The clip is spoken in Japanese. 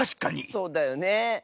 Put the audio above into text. そうだよね。